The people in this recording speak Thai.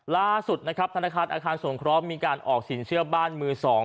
ล่าสุดนะครับธนาคารอาคารสงเคราะห์มีการออกสินเชื่อบ้านมือสอง